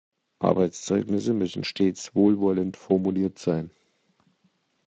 Arbeitszeugnisse müssen stets wohlwollend formuliert sein.